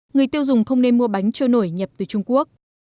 người tiêu dùng không nên mua bánh trôi nổi nhập từ trung quốc